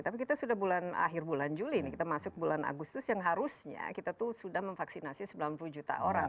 tapi kita sudah bulan akhir bulan juli nih kita masuk bulan agustus yang harusnya kita tuh sudah memvaksinasi sembilan puluh juta orang